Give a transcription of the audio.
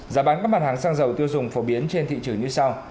giá bán các mặt hàng xăng dầu tiêu dùng phổ biến trên thị trường như sau